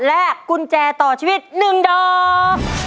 และกุญแจต่อชีวิต๑ดอก